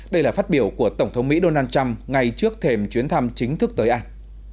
đây là phát biểu của tổng thống mỹ donald trump ngay trước thềm chuyến thăm chính thức tới anh